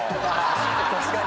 確かに。